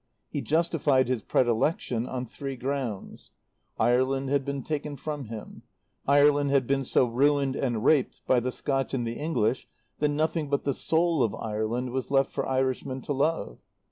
He justified his predilection on three grounds: Ireland had been taken from him; Ireland had been so ruined and raped by the Scotch and the English that nothing but the soul of Ireland was left for Irishmen to love.